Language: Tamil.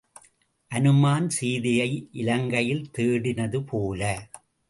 அநுமான் சீதையை இலங்கையில் தேடினது போல.